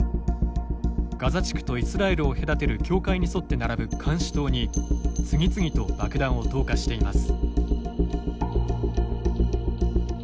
ガザ地区とイスラエルを隔てる境界に沿って並ぶ監視塔に次々と爆弾を投下しています。